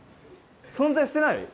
存在してない？